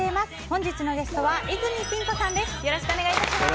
本日のゲストは泉ピン子さんです。